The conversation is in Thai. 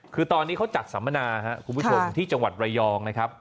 คือตอนนี้เขาจัดสัมมนาครับคุณผู้ชมที่จังหวัดระยองนะครับ